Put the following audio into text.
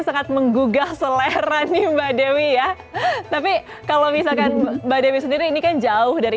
sangat menggugah selera nih mbak dewi ya tapi kalau misalkan mbak dewi sendiri ini kan jauh dari